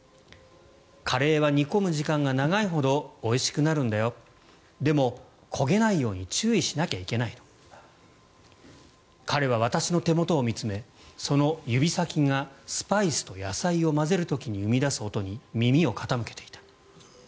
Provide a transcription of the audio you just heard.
カレーは煮込む時間が長いほどおいしくなるんだよでも、焦げないように注意しなきゃいけない彼は私の手元を見つめその指先がスパイスと野菜を混ぜる時に生み出す音に耳を傾けていた。